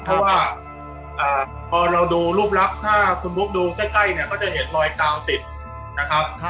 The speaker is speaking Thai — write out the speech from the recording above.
เพราะว่าพอเราดูรูปลักษณ์ถ้าคุณบุ๊คดูใกล้เนี่ยก็จะเห็นรอยกาวติดนะครับ